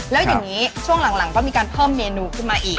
แล้วอย่างนี้ช่วงหลังก็มีการเพิ่มเมนูขึ้นมาอีก